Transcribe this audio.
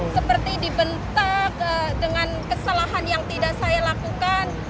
seperti dibentak dengan kesalahan yang tidak saya lakukan